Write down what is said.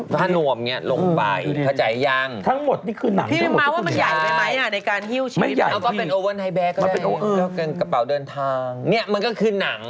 ใช้บัตรใช้บัตรนอกไปอีก